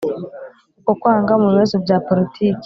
Uko kw anga mu bibazo bya poritiki